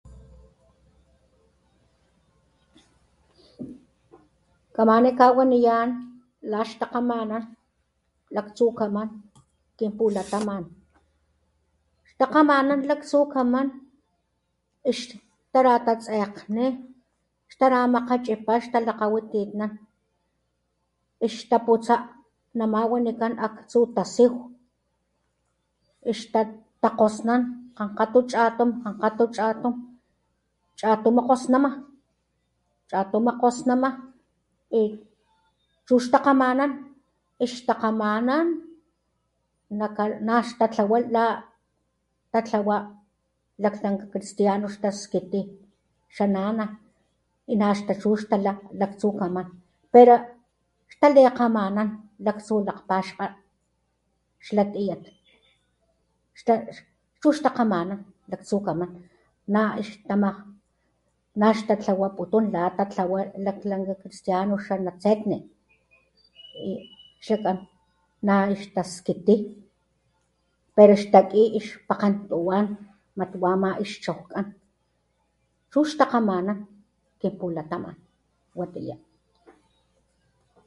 Kamani kawaniyan laxtakgamanan laktsukaman kin pulataman xtakgamanan laktsukaman ixtalatasekgni xtaramakgachipa talakgawititnan ix taputsa nama wanikan aktsu tasiw ixtakgosnan kgankgatu chatum, kgankgatu chatum chatunu kgosnama chatunu kgosnama y chuxtakgamanan xtakgamanan naxtatlawa la tatlawa laklanka cristiano xtaskiti xa nana y na chuxtala laktsukaman pero xtalikgamanan laktsu lakgpaxkga xla tiyat chu xtakgamanan laktsukaman na xtatlawaputun la tatlawa laklanka cristiano xa natsetne y xakan na xtaskiti pero xtaki xpakgen tuwan mat wa ama ix chowkan chuxtakgamanan kinpulataman. watiya